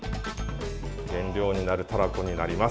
原料になるたらこになります。